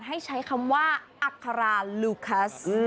อัคคาราลูคัส